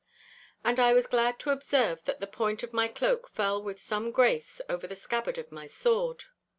And I was glad to observe that the point of my cloak fell with some grace over the scabbard of my sword.